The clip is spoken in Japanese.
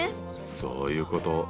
そういうこと。